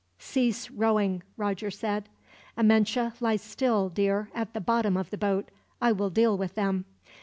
"Cease rowing," Roger said. "Amenche, lie still, dear, at the bottom of the boat. I will deal with them."